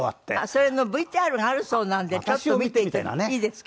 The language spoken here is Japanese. それのＶＴＲがあるそうなんでちょっと見ていいですか？